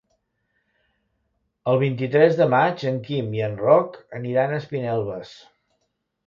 El vint-i-tres de maig en Quim i en Roc aniran a Espinelves.